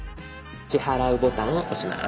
「支払う」ボタンを押します。